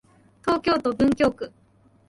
東京都文京区